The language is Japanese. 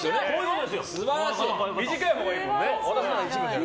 短いほうがいいもんね。